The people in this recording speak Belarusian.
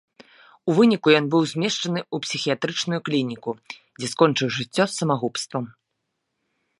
У выніку ён быў змешчаны ў псіхіятрычную клініку, дзе скончыў жыццё самагубствам.